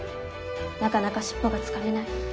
なかなか尻尾が掴めない。